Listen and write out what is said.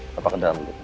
papa kedalam dulu